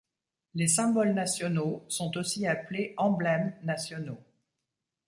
Les symboles nationaux sont aussi appelés emblèmes nationaux.